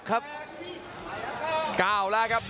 ๙แล้วครับ